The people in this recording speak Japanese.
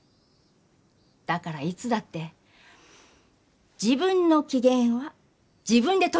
だからいつだって自分の機嫌は自分でとること。